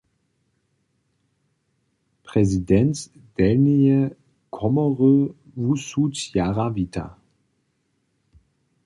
Prezident Delnjeje komory wusud jara wita.